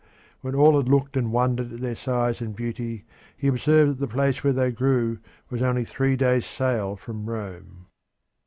When all had looked and wondered at their size and beauty he observed that the place where they grew was only three days' sail from Rome.